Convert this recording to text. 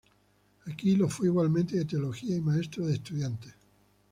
Aquí lo fue igualmente de teología y maestro de estudiantes.